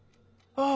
ああ！